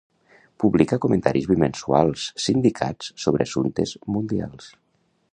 Publica comentaris bimensuals sindicats sobre assumptes mundials.